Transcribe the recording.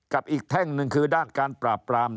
กับอีกแท่งหนึ่งคือด้านการปราบปราม